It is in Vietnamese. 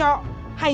hay những điện thoại